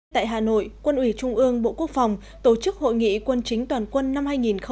tại hà nội quân ủy trung ương bộ quốc phòng tổ chức hội nghị quân chính toàn quân năm hai nghìn hai mươi